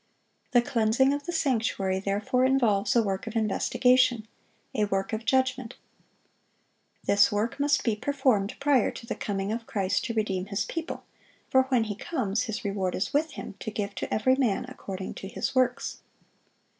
The cleansing of the sanctuary therefore involves a work of investigation,—a work of judgment. This work must be performed prior to the coming of Christ to redeem His people; for when He comes, His reward is with Him to give to every man according to his works.